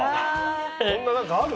そんな何かある？